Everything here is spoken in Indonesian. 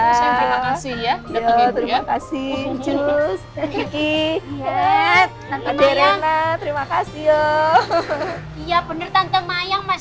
terima kasih ya terima kasih jus dan kiki dan tante rena terima kasih ya iya bener tante mayang mas